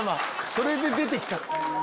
それで出て来た。